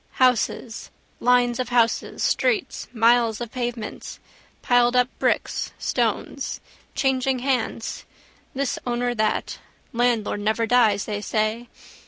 Houses, lines of houses, streets, miles of pavements, piledup bricks, stones. Changing hands. This owner, that. Landlord never dies they say.